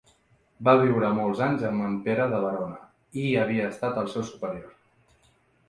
Va viure molts anys amb en Pere de Verona i havia estat el seu superior.